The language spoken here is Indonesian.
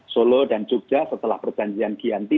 solo dan jogja setelah perjanjian giyanti